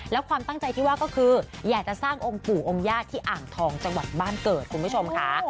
แล้วความตั้งใจที่ว่าก็คืออยากจะสร้างองค์ปู่องค์ญาติที่อ่างทองจังหวัดบ้านเกิดคุณผู้ชมค่ะ